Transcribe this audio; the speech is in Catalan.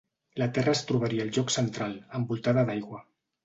La terra es trobaria al lloc central, envoltada d'aigua.